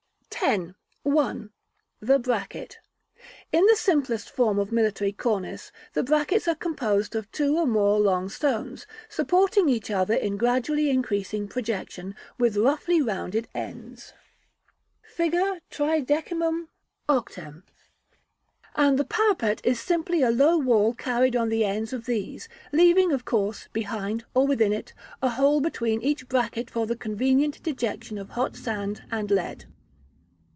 § X. 1. The Bracket. In the simplest form of military cornice, the brackets are composed of two or more long stones, supporting each other in gradually increasing projection, with roughly rounded ends, Fig. XXXVIII., and the parapet is simply a low wall carried on the ends of these, leaving, of course, behind, or within it, a hole between each bracket for the convenient dejection of hot sand and lead.